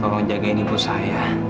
tolong jagain ibu saya